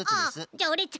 じゃあオレっち